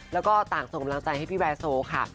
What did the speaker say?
แล้วก็ต่างส่งกำลังใจให้พี่แวร์โซค่ะ